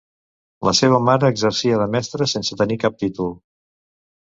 La seva mare exercia de mestra sense tenir cap títol.